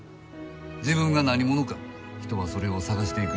自分が何者か人はそれを探していく。